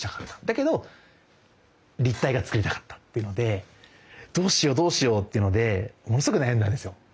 だけど立体が作りたかったっていうのでどうしようどうしようっていうのでものすごく悩んだんですよ。